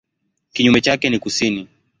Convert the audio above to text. Kinyume chake ni kusini.